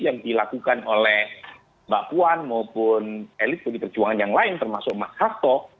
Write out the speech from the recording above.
yang dilakukan oleh mbak puan maupun elit pd perjuangan yang lain termasuk mas harto